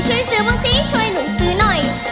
ช่วยซื้อบ้างสิช่วยหนูซื้อหน่อย